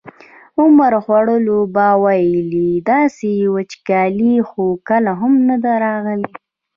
عمر خوړلو به ویل داسې وچکالي خو کله هم نه ده راغلې.